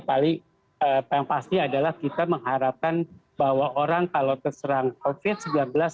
paling yang pasti adalah kita mengharapkan bahwa orang kalau terserang covid sembilan belas